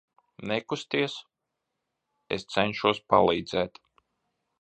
Nekusties, es cenšos palīdzēt.